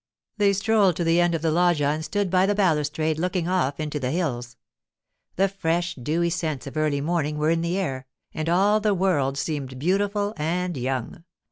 They strolled to the end of the loggia and stood by the balustrade, looking off into the hills. The fresh, dewy scents of early morning were in the air, and all the world seemed beautiful and young.